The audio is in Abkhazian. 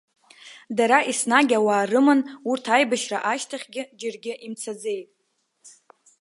Дара еснагь ауаа рыман, урҭ аибашьра ашьҭахьгьы џьаргьы имцаӡеит.